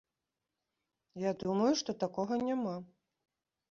Я думаю, што такога няма.